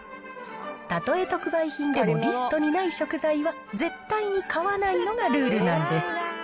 たとえ特売品でもリストにない食材は絶対に買わないのがルールなんです。